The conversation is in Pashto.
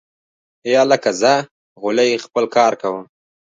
ای هلکه ځه غولی خپل کار کوه